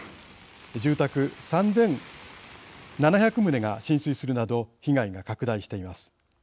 住宅３７００棟が浸水するなど被害が拡大しています。